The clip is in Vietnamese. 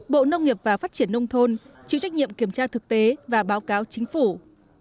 bộ nông nghiệp và phát triển nông thôn chịu trách nhiệm kiểm tra thực tế và báo cáo chính phủ